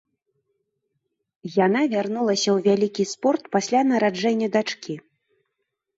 Яна вярнулася ў вялікі спорт пасля нараджэння дачкі.